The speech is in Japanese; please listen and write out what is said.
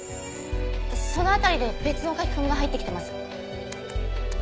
その辺りで別の書き込みが入ってきてます。